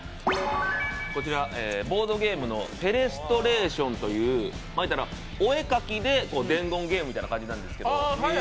ボードゲームの「テレストレーション」というお絵かきで伝言ゲームみたいな感じなんですけど